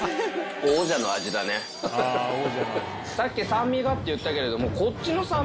さっき「酸味が」って言ったけれども。